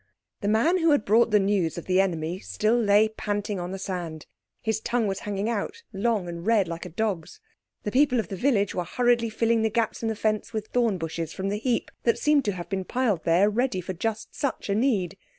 The man who had brought the news of the enemy still lay panting on the sand. His tongue was hanging out, long and red, like a dog's. The people of the village were hurriedly filling the gaps in the fence with thorn bushes from the heap that seemed to have been piled there ready for just such a need.